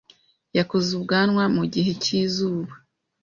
yakuze ubwanwa mu gihe cyizuba.